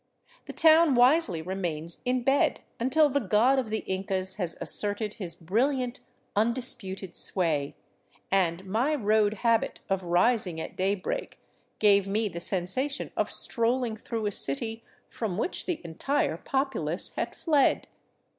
The town wisely remains in bed until the god of the Incas has asserted his brilliant, undisputed sway, and my road habit of rising at daybreak gave me the sensation of strolling through a city from which the entire populace had fled.